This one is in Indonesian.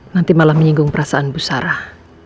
nanti malah menyinggung perasaan bu sarah